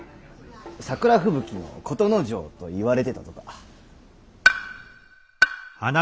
桜吹雪の琴之丞といわれてたとか。